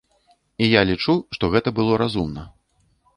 І я лічу, што гэта было разумна.